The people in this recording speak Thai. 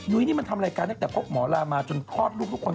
นี่มันทำรายการตั้งแต่พบหมอลามาจนคลอดลูกทุกคน